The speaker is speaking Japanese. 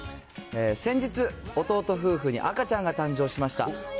先日、弟夫婦に赤ちゃんが誕生しました。